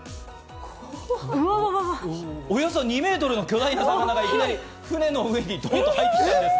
およそ２メートルの巨大な魚がいきなり船の上にドンっと入ってきたんです。